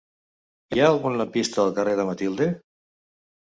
Hi ha algun lampista al carrer de Matilde?